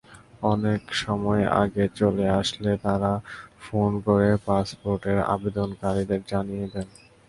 অনেক সময় আগে চলে আসলে তারা ফোন করে পাসপোর্টের আবেদনকারীকে জানিয়ে দেন।